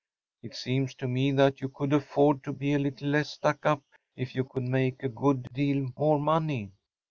It seems to me that you could afford to be a little less stuck up if you could make a good deal more money.